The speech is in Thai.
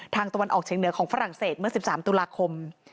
ตะวันออกเชียงเหนือของฝรั่งเศสเมื่อ๑๓ตุลาคม